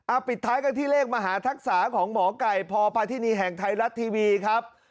ปิดท้ายกันที่เลขมหาทักษะของหมอไก่พพาธินีแห่งไทยรัฐทีวีครับ